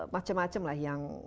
macam macam lah yang